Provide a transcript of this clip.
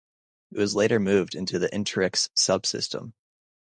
It was later moved to the Interix subsystem.